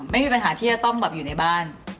ไม่มีปัญหาที่จะต้องแบบอยู่ในบ้าน